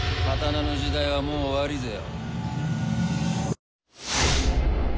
刀の時代はもう終わりぜよ。